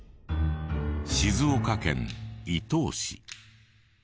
静岡県伊東市。